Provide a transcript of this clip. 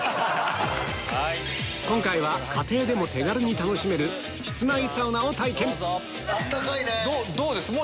今回は家庭でも手軽に楽しめる室内サウナを体験温かいね。